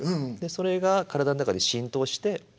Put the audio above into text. でそれが体の中で浸透して。